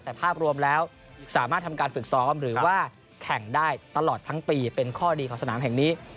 แต่ภาพรวมแล้วสามารถทำการฝึกซ้อมหรือว่าแข่งได้ตลอดทั้งปีเป็นข้อดีของสนามแห่งนี้